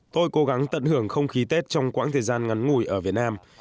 tôi cố gắng tận hưởng không khí tết trong quãng thời gian ngắn ngủi ở việt nam